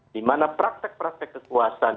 di mana praktek praktek kekuasaan